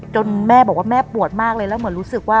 แม่บอกว่าแม่ปวดมากเลยแล้วเหมือนรู้สึกว่า